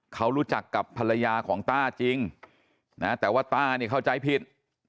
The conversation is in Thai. เขารู้จักกับภรรยาของตาจริงแต่ว่าตาเข้าใจผิด